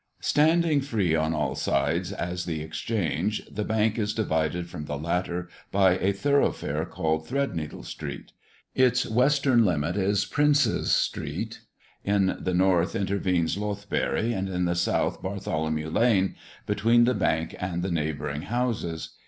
Standing free on all sides as the Exchange, the Bank is divided from the latter by a thoroughfare called Threadneedle street. Its western limit is Princes street; in the north intervenes Lothbury, and in the south Bartholomew lane, between the Bank and the neighbouring houses.